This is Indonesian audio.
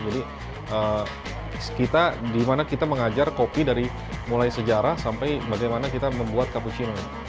jadi kita mengajar kopi dari mulai sejarah sampai bagaimana kita membuat cappuccino